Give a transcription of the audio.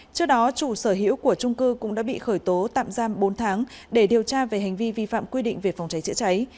trước đó chủ sở hữu của trung cư cũng đã bị khởi tố tạm giam bốn tháng để điều tra về hành vi vi phạm quy định về phòng cháy chữa cháy